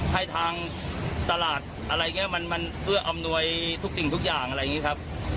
ให้ทางตลาดอะไรอย่างนี้มันเอื้ออำนวยทุกสิ่งทุกอย่างอะไรอย่างนี้ครับ